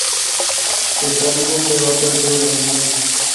Está vivo pero ha perdido la memoria.